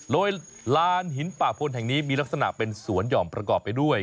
โดยลานหินป่าพลแห่งนี้มีลักษณะเป็นสวนหย่อมประกอบไปด้วย